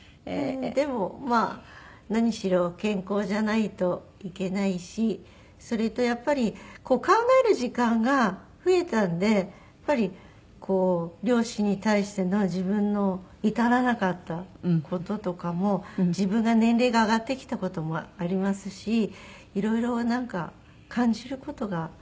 でもまあ何しろ健康じゃないといけないしそれとやっぱり考える時間が増えたんでやっぱりこう両親に対しての自分の至らなかった事とかも自分が年齢が上がってきた事もありますしいろいろなんか感じる事が。